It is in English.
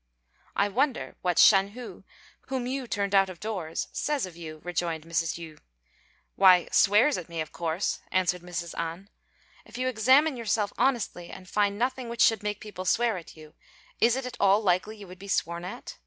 "I wonder what Shan hu, whom you turned out of doors, says of you," rejoined Mrs. Yü. "Why, swears at me, of course," answered Mrs. An. "If you examine yourself honestly and find nothing which should make people swear at you, is it at all likely you would be sworn at?"